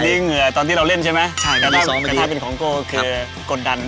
อันนี้เหงื่อตอนที่เราเล่นใช่ไหมใช่นี่มีซ้อมมาเล่นถ้าเป็นของโกคือกดดัน